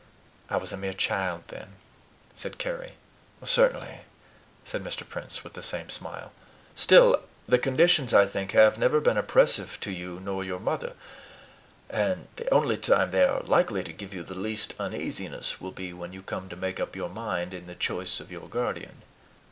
"I was a mere child then," said Carry. "Certainly," said Mr. Prince, with the same smile. "Still the conditions, I think, have never been oppressive to you nor your mother; and the only time they are likely to give you the least uneasiness will be when you come to make up your mind in the choice of your guardian.